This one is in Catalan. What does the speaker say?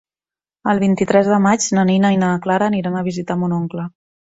El vint-i-tres de maig na Nina i na Clara aniran a visitar mon oncle.